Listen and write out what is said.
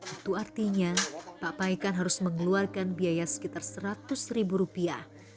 itu artinya pak paikan harus mengeluarkan biaya sekitar seratus ribu rupiah